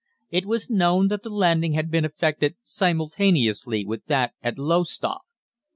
It was known that the landing had been effected simultaneously with that at Lowestoft.